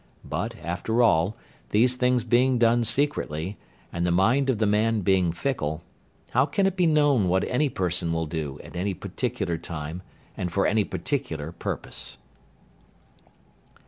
But after all, these things being done secretly, and the mind of the man being fickle, how can it be known what any person will do at any particular time and for any particular purpose.